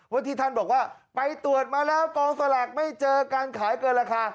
ว่าที่ท่านบอกว่าไปตรวจมาแล้วกองสลากไม่เจอการขายเกินราคา